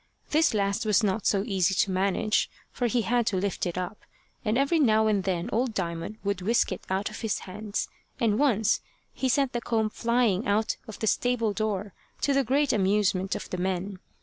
This last was not so easy to manage, for he had to lift it up, and every now and then old Diamond would whisk it out of his hands, and once he sent the comb flying out of the stable door, to the great amusement of the men.